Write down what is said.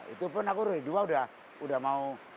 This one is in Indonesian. itu pun aku dua udah mau